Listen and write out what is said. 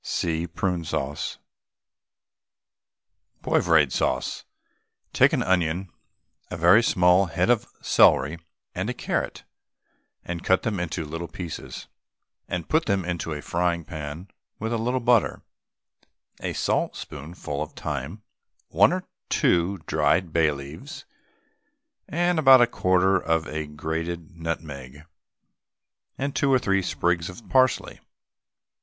(See PRUNE SAUCE.) POIVRADE SAUCE. Take an onion, a very small head of celery, and a carrot, and cut them into little pieces, and put them into a frying pan with a little butter, a saltspoonful of thyme, one or two dried bay leaves, and about a quarter of a grated nutmeg and two or three sprigs of parsley.